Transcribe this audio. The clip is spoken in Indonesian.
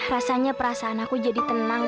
rasanya perasaan aku jadi tenang